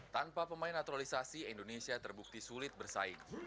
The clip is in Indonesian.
tanpa pemain naturalisasi indonesia terbukti sulit bersaing